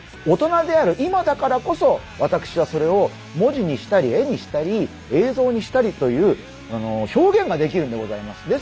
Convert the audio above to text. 大人である今だからこそ私はそれを文字にしたり絵にしたり映像にしたりという表現ができるんでございます。